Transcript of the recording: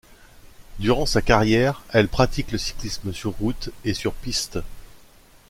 Durant sa carrière, elle pratique le cyclisme sur route et sur piste.